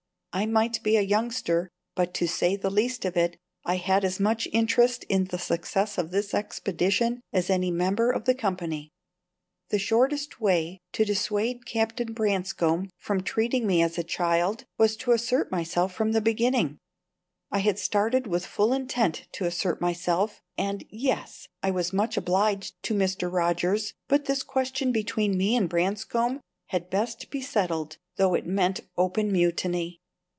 I might be a youngster; but, to say the least of it, I had as much interest in the success of this expedition as any member of the company. The shortest way to dissuade Captain Branscome from treating me as a child was to assert myself from the beginning. I had started with full intent to assert myself, and yes, I was much obliged to Mr. Rogers, but this question between me and Branscome had best be settled, though it meant open mutiny.